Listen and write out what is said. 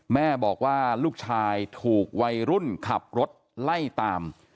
แม่บอกว่าลูกชายถูกวัยรุ่นขับรถไล่ตาม